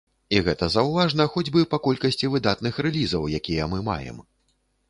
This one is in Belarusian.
І гэта заўважна хоць бы па колькасці выдатных рэлізаў, якія мы маем.